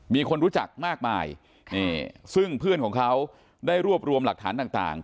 มีคนรู้จักมากมายซึ่งเพื่อนของเขาได้รวบรวมหลักฐานต่าง